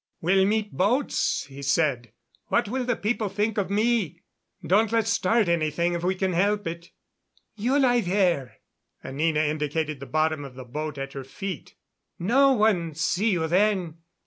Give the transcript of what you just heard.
"We'll meet boats," he said. "What will the people think of me? Don't let's start anything if we can help it." "You lie there." Anina indicated the bottom of the boat at her feet. "No one see you then.